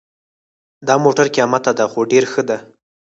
دا موټر قیمته ده خو ډېر ښه ده